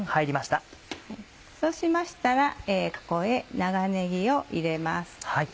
そうしましたらここへ長ねぎを入れます。